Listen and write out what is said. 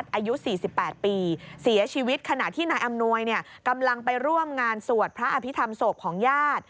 ที่นายอำนวยกำลังไปร่วมงานสวดพระอภิษฐรรมศพของญาติ